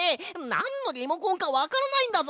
なんのリモコンかわからないんだぞ！